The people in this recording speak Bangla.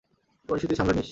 পরিস্থিতি সামলে নিস।